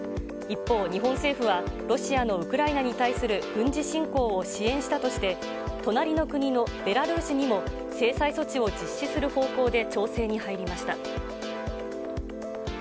一方、日本政府はロシアのウクライナに対する軍事侵攻を支援したとして、隣の国のベラルーシにも制裁措置を実施する方向で調整に入りました。